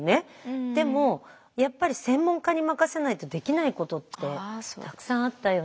でもやっぱり専門家に任せないとできないことってたくさんあったよね。